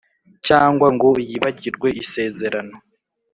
cyangwa ngo yibagirwe isezerano